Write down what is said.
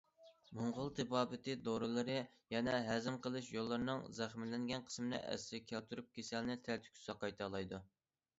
موڭغۇل تېبابىتى دورىلىرى يەنە ھەزىم قىلىش يوللىرىنىڭ زەخىملەنگەن قىسمىنى ئەسلىگە كەلتۈرۈپ، كېسەلنى تەلتۆكۈس ساقايتالايدۇ.